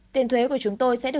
tiền thuế của chúng tôi sẽ được dùng